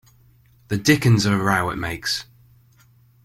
The dickens of a row it makes.